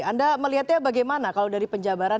anda melihatnya bagaimana kalau dari penjabaran